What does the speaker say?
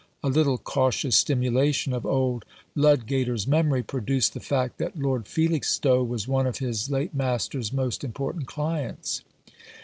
A little cautious stimulation of old Ludgater's memory produced the fact that Lord Felixstowe was one of his late master's most important clients.